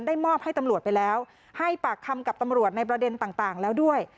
มอบให้ตำรวจไปแล้วให้ปากคำกับตำรวจในประเด็นต่างแล้วด้วย